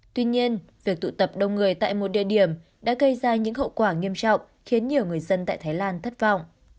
tuy nhiên việc tụ tập đông người tại một địa điểm đã gây ra những hậu quả nghiêm trọng khiến nhiều người dân tại thái lan thất vọng